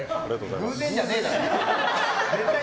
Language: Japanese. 偶然じゃねえだろ！